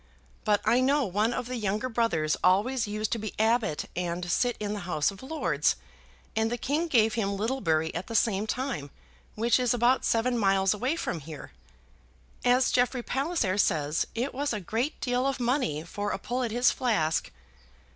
But I know one of the younger brothers always used to be abbot and sit in the House of Lords. And the king gave him Littlebury at the same time, which is about seven miles away from here. As Jeffrey Palliser says, it was a great deal of money for a pull at his flask.